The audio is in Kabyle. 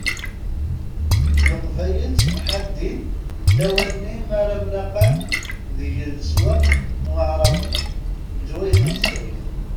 Leqbayel ttemḥaddin lawan-nni m'ara mmlaqan deg leswaq n Waεraben, leǧwayeh n Sṭif.